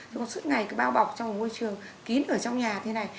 còn suốt ngày cứ bao bọc trong một môi trường kín ở trong nhà thế này